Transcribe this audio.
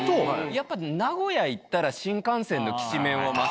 やっぱ名古屋行ったら新幹線のきしめんはマスト。